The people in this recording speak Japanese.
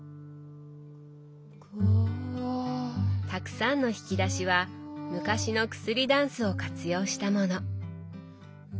たくさんの引き出しは昔の薬だんすを活用したもの。